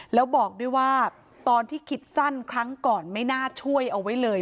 แล้วบอกด้วยว่าตอนที่คิดสั้นครั้งก่อนไม่น่าช่วยเอาไว้เลย